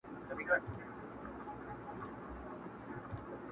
دی قرنطین دی په حجره کي!.